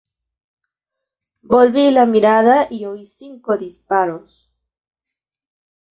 Volví la mirada y oí cinco disparos".